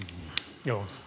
山口さん。